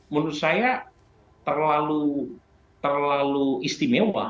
menurut saya terlalu istimewa